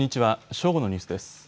正午のニュースです。